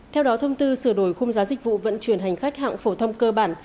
theo đó thông tư sửa đổi khung giá dịch vụ vận chuyển hành khách hạng phổ thông cơ bản